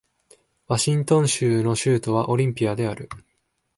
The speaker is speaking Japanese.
ワシントン州の州都はオリンピアである